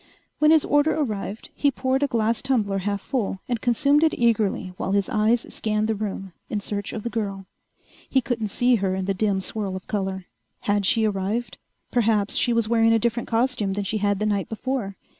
When his order arrived, he poured a glass tumbler half full and consumed it eagerly while his eyes scanned the room in search of the girl. He couldn't see her in the dim swirl of color. Had she arrived? Perhaps she was wearing a different costume than she had the night before.